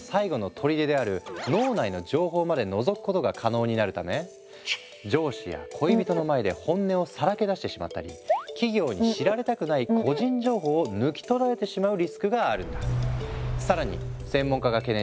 ＢＭＩによって上司や恋人の前で本音をさらけ出してしまったり企業に知られたくない個人情報を抜き取られてしまうリスクがあるんだ。